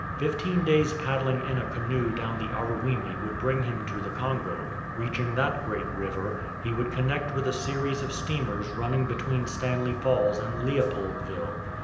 Fifteen days' paddling in a canoe down the Aruwimi would bring him to the Congo. Reaching that great river, he would con nect with a service of steamers running between Stanley i8i THE BANGWA Falls and Leopoldville.